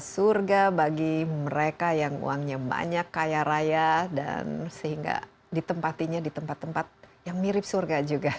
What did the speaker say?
surga bagi mereka yang uangnya banyak kaya raya dan sehingga ditempatinya di tempat tempat yang mirip surga juga